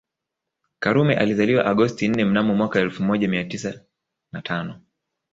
Karume alizaliwa Agosti nne mnamo mwaka elfu moja mia tisa na tano